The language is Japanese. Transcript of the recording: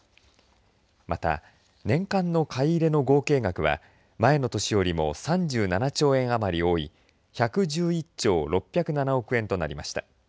また、年間の買い入れの合計額は前の年よりも３７兆円余り多い１１１兆６０７億円となりました。